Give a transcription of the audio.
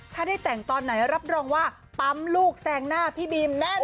ถ้าได้แต่งตอนไหนรับรองว่าปั๊มลูกแซงหน้าพี่บีมแน่นอ